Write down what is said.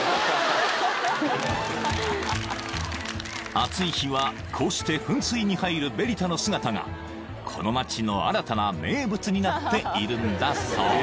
［暑い日はこうして噴水に入るベリタの姿がこの街の新たな名物になっているんだそう］